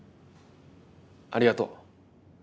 ありがとう。